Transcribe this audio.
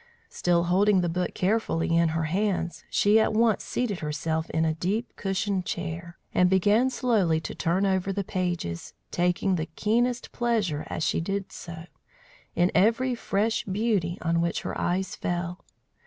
Still holding the book carefully in her hands, she at once seated herself in a deep, cushioned chair, and began slowly to turn over the pages, taking the keenest pleasure, as she did so, in every fresh beauty on which her eyes fell.